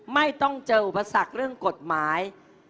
ไม่ต้องเจออุปสรรคเรื่องกฎหมาย